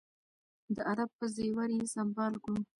د ادب په زیور یې سمبال کړو.